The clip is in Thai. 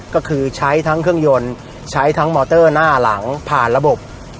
ก็คือใช้ทั้งเครื่องยนต์ใช้ทั้งมอเตอร์หน้าหลังผ่านระบบ